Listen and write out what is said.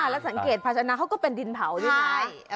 แล้วสังเกตภาชนะเขาก็เป็นดินเผาด้วยไง